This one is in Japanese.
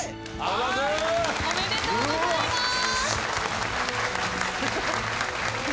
ありがとうございます。